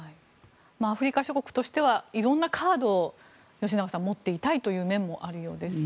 アフリカ諸国としては色んなカードを吉永さん持っていたいという面もあるようです。